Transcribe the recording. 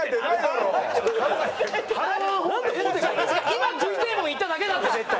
今食いてえもん言っただけだって絶対。